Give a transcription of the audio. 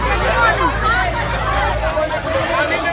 ก็ไม่มีเวลาให้กลับมาเท่าไหร่